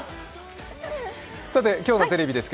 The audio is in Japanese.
今日のテレビです。